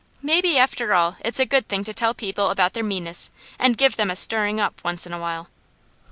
Maybe after all it's a good thing to tell people about their meanness and give them a stirring up once in a while.